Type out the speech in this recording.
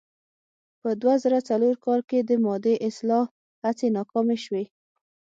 په دوه زره څلور کال کې د مادې اصلاح هڅې ناکامې شوې.